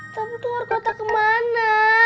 tapi keluar kota kemana